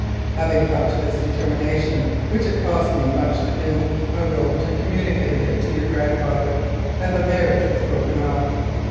Having come to this determination, which it cost me much to do, I wrote and communicated it to your grandfather, and the marriage was broken off."